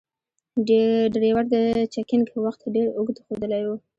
ډریور د چکینګ وخت ډیر اوږد ښودلای و.